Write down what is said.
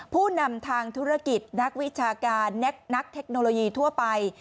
ผู้นำทางธุรกิจนักวิชาการนักเทคโนโลยีทั่วไป